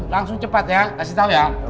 langsung cepat ya kasih tau ya